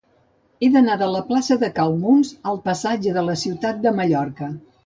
He d'anar de la plaça de Cal Muns al passatge de la Ciutat de Mallorca.